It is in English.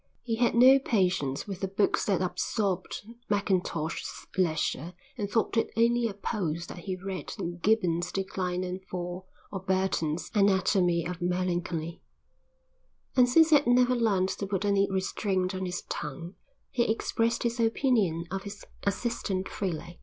He had no patience with the books that absorbed Mackintosh's leisure and thought it only a pose that he read Gibbon's Decline and Fall or Burton's Anatomy of Melancholy. And since he had never learned to put any restraint on his tongue, he expressed his opinion of his assistant freely.